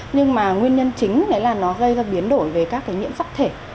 nhưng mà nguyên nhân chính là nó gây ra biến đổi về các cái nhiễm sắc thể